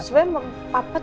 sebenernya pak pat